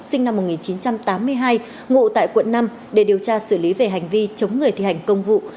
sinh năm một nghìn chín trăm tám mươi hai ngụ tại quận năm để điều tra xử lý về hành vi chống người thi hành công vụ